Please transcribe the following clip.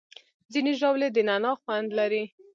ځینې ژاولې د نعناع خوند لري.